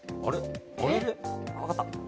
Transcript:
分かった。